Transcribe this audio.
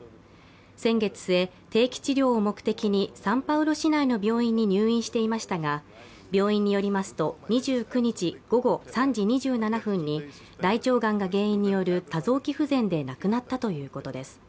先月末、定期治療を目的にサンパウロ市内の病院に入院していましたが病院によりますと、２９日午後３時２７分に大腸がんが原因による多臓器不全で亡くなったということです。